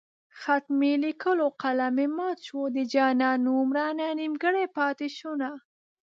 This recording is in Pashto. خط مې ليکو قلم مې مات شو د جانان نوم رانه نيمګړی پاتې شونه